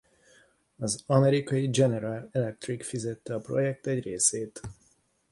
Az amerikai General Electric fizette a projekt egy részét.